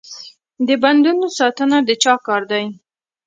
د بندونو ساتنه د چا کار دی؟